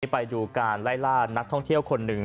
ไปดูการไล่ล่านักท่องเที่ยวคนหนึ่ง